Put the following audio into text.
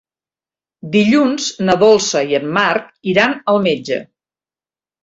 Dilluns na Dolça i en Marc iran al metge.